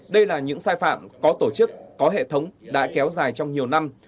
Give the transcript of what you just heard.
đây là những sai phạm có tổ chức có hệ thống đã kéo dài trong nhiều năm